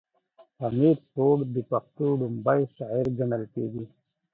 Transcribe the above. امير کروړ د پښتو ړومبی شاعر ګڼلی کيږي